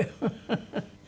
フフフフ！